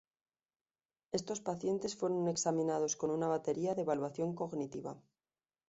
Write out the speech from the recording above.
Estos pacientes fueron examinados con una batería de evaluación cognitiva.